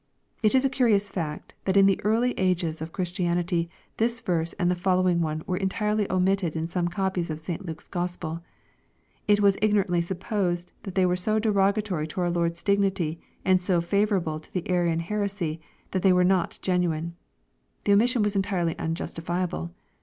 It is a curious fact, that in the early ages of Chris tianity, this verse and the following one were entirely omitted in some copies of St. Luke's Gospel. It was ignorantly suppo^d that they were so derogatory to our Lord's dignity, and so favor able to the Arian heresy, that they were not genuine. The omis sion was entirely unjustifiable.